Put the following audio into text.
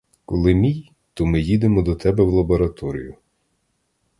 Коли мій, то ми їдемо до тебе в лабораторію.